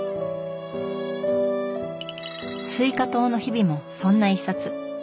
「西瓜糖の日々」もそんな一冊。